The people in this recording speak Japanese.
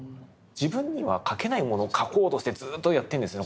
自分には描けないものを描こうとしてずっとやってるんですよね